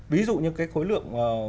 ví dụ như cái khối lượng